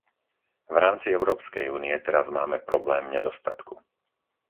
V rámci Európskej únie teraz máme problém nedostatku.